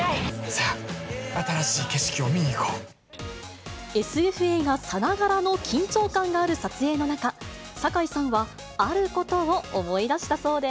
さあ、新しい景色を見に行こＳＦ映画さながらの緊張感がある撮影の中、堺さんはあることを思い出したそうで。